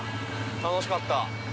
◆楽しかった。